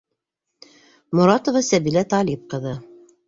Моратова Сәбилә Талип ҡыҙы.